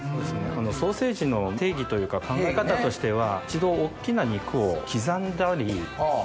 ソーセージの定義というか考え方としては一度大っきな。